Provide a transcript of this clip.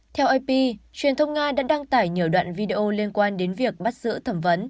theo ip truyền thông nga đã đăng tải nhiều đoạn video liên quan đến việc bắt giữ thẩm vấn